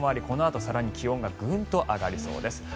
このあと更に気温がぐんと上がりそうです。